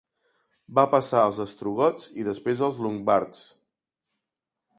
Va passar als ostrogots i després als longobards.